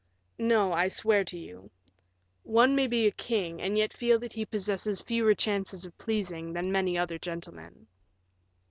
"No, I swear to you. One may be a king, and yet feel that he possesses fewer chances of pleasing than many other gentlemen."